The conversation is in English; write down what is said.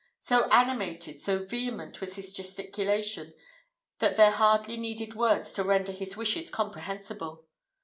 So animated, so vehement was his gesticulation, that there hardly needed words to render his wishes comprehensible.